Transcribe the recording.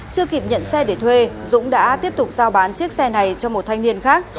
chưa kịp nhận xe để thuê dũng đã tiếp tục giao bán chiếc xe này cho một thanh niên khác